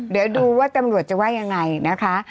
เดี๋ยวดูว่าตำรวจจะว่ายังไงนะคะ